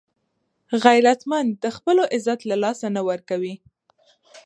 غیرتمند د خپلو عزت له لاسه نه ورکوي